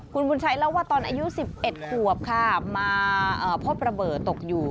คุณบุญชัยเล่าว่าตอนอายุ๑๑ขวบค่ะมาพบระเบิดตกอยู่